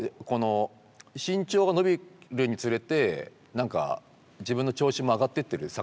この身長が伸びるにつれて何か自分の調子も上がってってる？